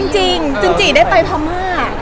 เอาจริงจริงได้ไปภมาม่า